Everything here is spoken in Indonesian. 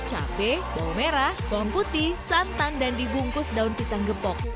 cabai bawang merah bawang putih santan dan dibungkus daun pisang gepok